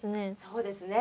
そうですね